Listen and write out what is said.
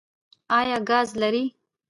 ایا ګاز لرئ؟